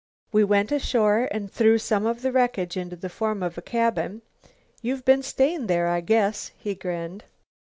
We went ashore and threw some of the wreckage into the form of a cabin. You've been staying there, I guess." He grinned.